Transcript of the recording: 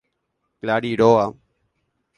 Clari róga.